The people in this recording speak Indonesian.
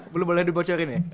belum boleh dibocorin ya